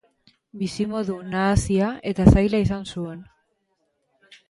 Bizimodu nahasia eta zaila izan zuen.